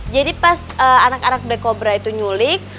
jadi pas anak anak black cobra itu nyulik